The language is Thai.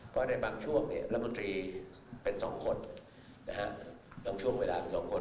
เพราะในบางช่วงนี่รับบุตรีเป็นสองคนนะฮะบางช่วงเวลาเป็นสองคน